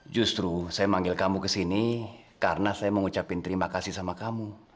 justru saya manggil kamu ke sini karena saya mau ucapin terima kasih sama kamu